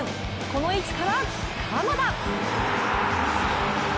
この位置から鎌田。